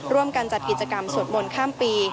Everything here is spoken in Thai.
ร่วมกันจัดกิจกรรมสวดมนต์ข้ามปี